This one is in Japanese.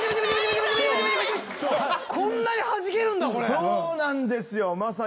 そうなんですよまさに。